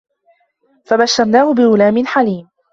فَبَشَّرناهُ بِغُلامٍ حَليمٍ